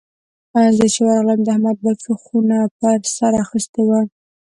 زه چې ورغلم؛ د احمد بچو خونه پر سر اخيستې وه.